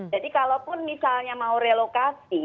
jadi kalaupun misalnya mau relokasi